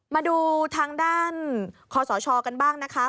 มาดูทางด้านคอสชกันบ้างนะคะ